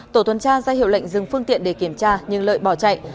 tổ tuần tra ra hiệu lệnh dừng phương tiện để kiểm tra nhưng lợi bỏ chạy